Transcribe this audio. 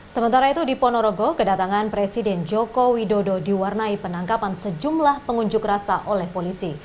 sementara itu di ponorogo kedatangan presiden joko widodo diwarnai penangkapan sejumlah pengunjuk rasa oleh polisi